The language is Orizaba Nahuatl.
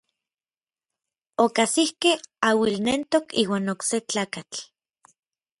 Okajsikej auilnentok iuan okse tlakatl.